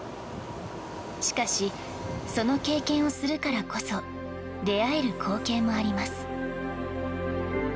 しかし、その経験をするからこそ出会える光景もあります。